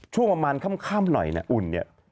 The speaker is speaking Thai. ช่วงประมาณค่ำหน่อยนะอุ่นเนี่ย